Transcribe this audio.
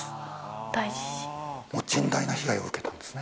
もう甚大な被害を受けたんですね。